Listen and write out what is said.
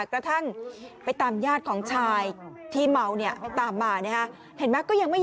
กระทั่งไปตามญาติของชายที่เมาเนี่ยตามมานะฮะ